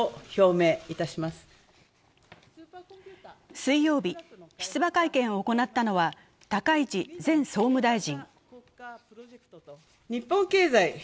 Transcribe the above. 水曜日、出馬会見を行ったのは高市前総務大臣。